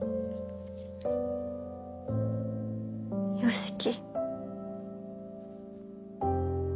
良樹。